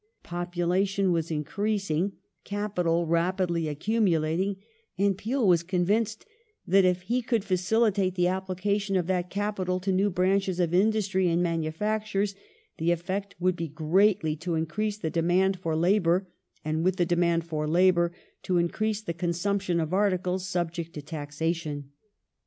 Population was increasing : capital rapidly ac cumulating, and Peel was convinced that if he could facilitate the application of that capital to new branches of industry and manu factures, the effect would be greatly to increase the demand for labour ; and with the demand for labour, to increase the consump tion of articles subject to taxation.